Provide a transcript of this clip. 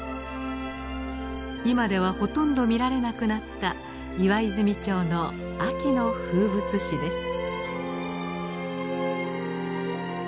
今ではほとんど見られなくなった岩泉町の秋の風物詩です。